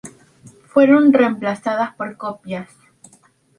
Fueron reemplazadas por copias.